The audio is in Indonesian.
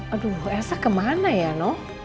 aduh elsa kemana ya noh